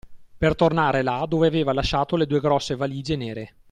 Per tornare là dove aveva lasciato le due grosse valige nere